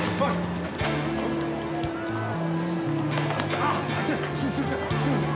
あっちょっすいません。